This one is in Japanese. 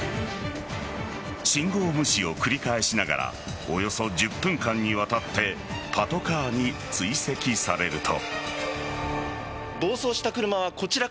信号無視を繰り返しながらおよそ１０分間にわたってパトカーに追跡されると。